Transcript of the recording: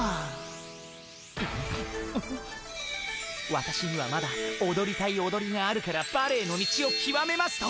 「わたしにはまだおどりたいおどりがあるからバレエの道をきわめます」と。